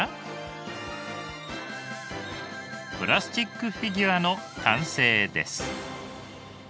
プラスチックフィギュアの完成です。